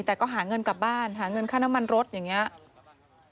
แต่ก็หาเงินกลับบ้านหาเงินค่าน้ำมันรถอย่างนี้